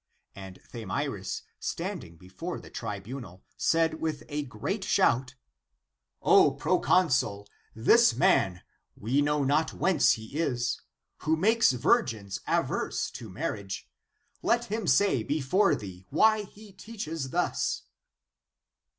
And Thamyris standing before the tribunal, said with a great shout, " O proconsul, this man — we know not whence he is — who makes virgins averse to marriage, let him say before thee why he teaches thus."